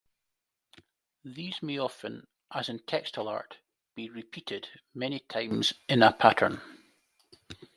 These may often, as in textile art, be repeated many times in a pattern.